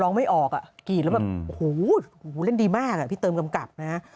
ไม่ออกอ่ะกรีดแล้วแบบโอ้โหเล่นดีมากอ่ะพี่เติมกำกับนะฮะ